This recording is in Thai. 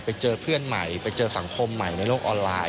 ไปเจอเพื่อนใหม่ไปเจอสังคมใหม่ในโลกออนไลน์